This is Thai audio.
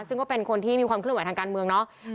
ซึ่งก็เป็นคนที่มีความเคลื่อนไหวทางการเมืองเนาะ